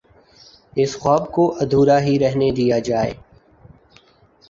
اس خواب کو ادھورا ہی رہنے دیا جائے۔